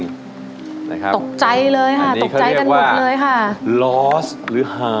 สยามใจบุญยังอยู่เสมอ